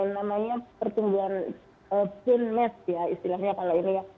ya jadi namanya pertumbuhan pin match ya istilahnya kalau ini ya